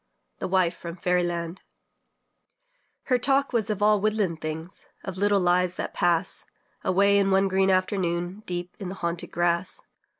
THE WIFE FROM FAIRY LAND Her talk was of all woodland things, Of little lives that pass Away in one green afternoon, Deep in the haunted grass.